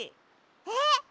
えっ！？